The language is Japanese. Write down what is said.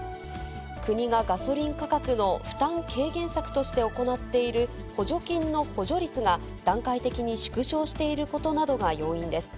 国がガソリン価格の負担軽減策として行っている補助金の補助率が段階的に縮小していることなどが要因です。